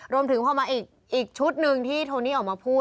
รวมถึงพอมาอีกชุดหนึ่งที่โทนี่ออกมาพูด